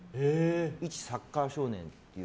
いちサッカー少年っていう。